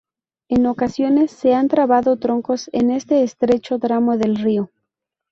En ocasiones se han trabado troncos en este estrecho tramo del río.